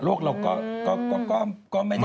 เราก็ไม่ได้